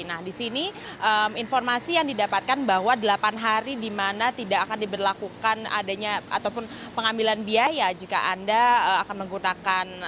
nah di sini informasi yang didapatkan bahwa delapan hari di mana tidak akan diberlakukan adanya ataupun pengambilan biaya jika anda akan menggunakan